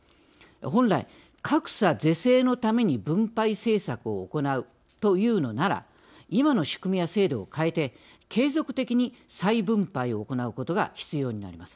本来格差是正のために分配政策を行うというのなら今の仕組みや制度を変えて継続的に再分配を行うことが必要になります。